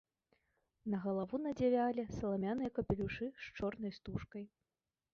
На галаву надзявалі саламяныя капелюшы з чорнай стужкай.